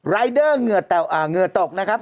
รายเดอร์เหงื่อตกนะครับ